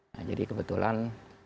nah jadi kebetulan